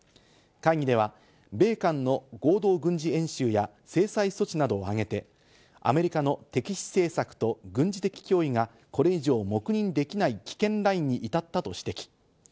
会議では米韓の合同軍事演習や制裁措置などを挙げて、アメリカの敵視政策と軍事的脅威がこれ以上、黙認できない危険ラインに至ったと指摘。